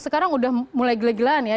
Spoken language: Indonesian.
sekarang sudah mulai geleng geleng ya